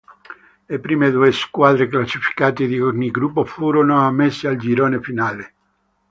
Le prime due squadre classificate di ogni gruppo furono ammesse al girone finale.